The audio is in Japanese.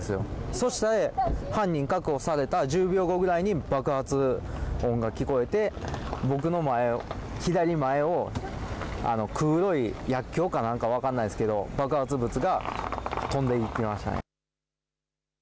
そして犯人確保された１０秒後ぐらいに爆発音が聞こえて僕の左前を黒い薬きょうか何か分かんないですけど爆発物が飛んでいきました。